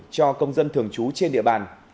cho công dân thường trú trên địa bàn